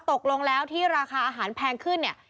ตกลงแล้วที่ราคาอาหารแพงขึ้นเนี่ย